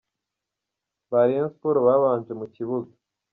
ba Rayon Sports babanje mu kibuga.